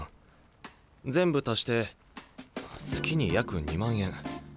全部足して月に約２万円。